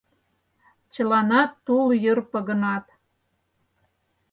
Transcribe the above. Чыланат тул йыр погынат.